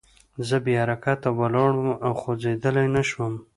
زه بې حرکته ولاړ وم او خوځېدلی نه شوم